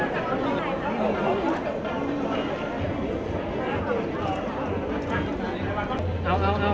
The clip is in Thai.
จะบอกถ้าสงสัยก็ต้องมาถามกันก็ได้